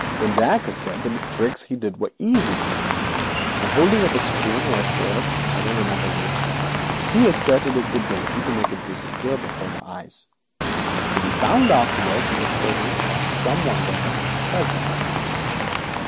Then Dacre said the tricks he did were easy, and holding up a spoon or a fork, I don't remember which, he professed his ability to make it disappear before our eyes, to be found afterwards in the clothing of some one there present.